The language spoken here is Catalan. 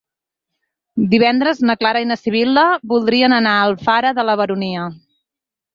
Divendres na Clara i na Sibil·la voldrien anar a Alfara de la Baronia.